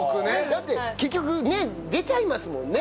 だって結局出ちゃいますもんね。